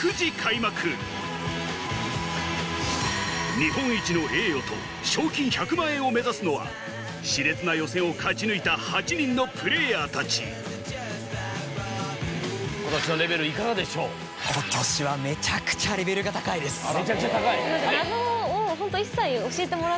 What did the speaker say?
日本一の栄誉と賞金１００万円を目指すのは熾烈な予選を勝ち抜いた８人のプレーヤーたち今年のレベルいかがでしょう？のでちゃんと。